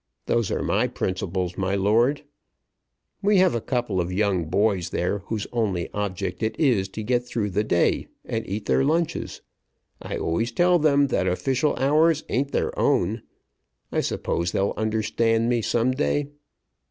Those are my principles, my lord. We have a couple of young fellows there whose only object it is to get through the day and eat their lunches. I always tell them that official hours ain't their own. I suppose they'll understand me some day.